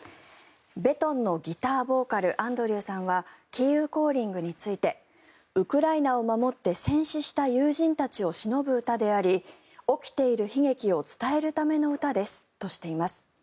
Ｂｅｔｏｎのギターボーカルアンドリューさんは「キーウ・コーリング」についてウクライナを守って戦死した友人たちをしのぶ歌であり起きている悲劇を伝えるための歌ですとしています。